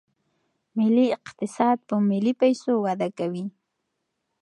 ملي اقتصاد په ملي پیسو وده کوي.